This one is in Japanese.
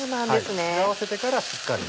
合わせてからしっかり。